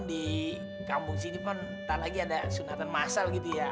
di kampung sini pun tak lagi ada sunatan masal gitu ya